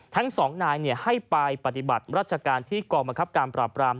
ทั้งสองนายให้ไปปฏิบัติราชการที่กองบังคับการปราบราม